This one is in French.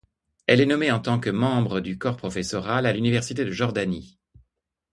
Elle est nommée en tant que membre du corps professoral à l'université de Jordanie.